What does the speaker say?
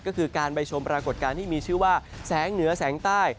ก็คือการไปชมปรากฏการณ์ที่มีชื่อว่าแสงเหนือแสงใต้